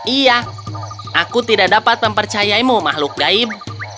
iya aku tidak dapat mempercayaimu makhluk gaib